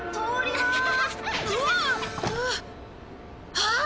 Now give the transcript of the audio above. あっ！